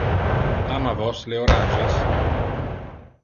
Ama vos le oranges?